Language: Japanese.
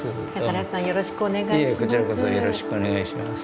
良さんよろしくお願いします。